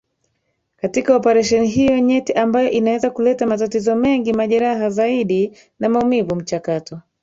katika oparesheni hiyo nyeti ambayo inaweza kuleta matatizo mengi majeraha zaidi na maumivu Mchakato